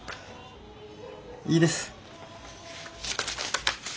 いいです。